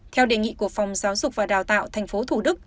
theo đề nghị của phòng giáo dục và đào tạo tp thủ đức